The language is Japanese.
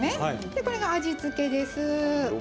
これが味付けです。